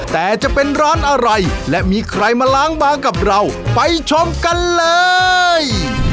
แต่จะเป็นร้านอะไรและมีใครมาล้างบางกับเราไปชมกันเลย